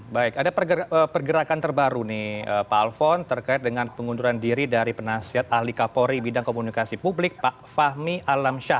baik ada pergerakan terbaru nih pak alfon terkait dengan pengunduran diri dari penasihat ahli kapolri bidang komunikasi publik pak fahmi alamsyah